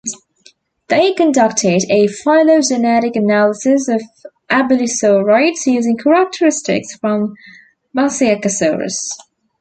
They conducted a phylogenetic analysis of abelisauroids using characteristics from "Masiakasaurus".